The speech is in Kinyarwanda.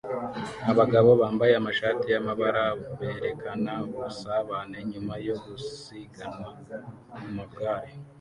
Abagabo bambaye amashati y'amabara berekana ubusabane nyuma yo gusiganwa ku magare